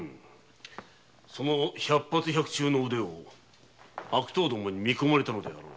その「百発百中」の腕を悪党どもに見込まれたのであろう。